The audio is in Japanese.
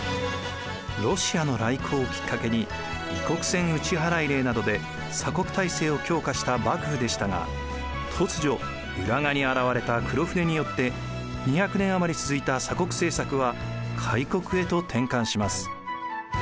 ロシアの来航をきっかけに異国船打払令などで鎖国体制を強化した幕府でしたが突如浦賀に現れた黒船によって２００年余り続いた鎖国政策は開国へと転換します。